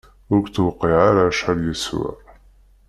Ur k-tewqiε ara acḥal yeswa!